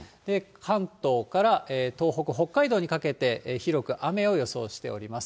関東から東北、北海道にかけて、広く雨を予想しております。